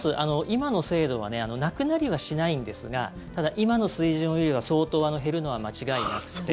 今の制度はなくなりはしないんですがただ、今の水準よりは相当減るのは間違いなくて。